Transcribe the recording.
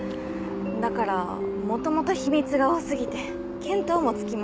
だから元々秘密が多すぎて見当もつきません。